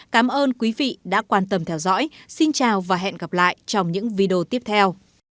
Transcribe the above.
cảm ơn quý vị đã quan tâm theo dõi xin chào và hẹn gặp lại trong những video tiếp theo